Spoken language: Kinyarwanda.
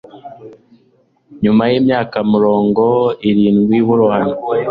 nyuma y'imyaka murongo irindwi burohamye.